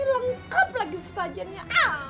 lengkap lagi sajennya